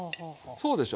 そうでしょ？